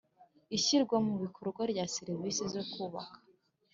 ishyirwamubikorwa rya serivisi zokubaka